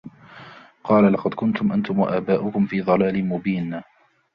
قَالَ لَقَدْ كُنْتُمْ أَنْتُمْ وَآبَاؤُكُمْ فِي ضَلَالٍ مُبِينٍ